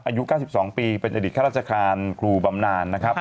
อายุ๙๒ปีแต่อดิตจะแค่ราชคาญครูบำนาน